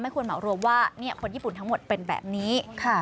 ควรเหมารวมว่าคนญี่ปุ่นทั้งหมดเป็นแบบนี้